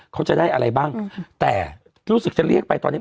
เขาจะได้อะไรบ้างแต่รู้สึกจะเรียกไปตอนนี้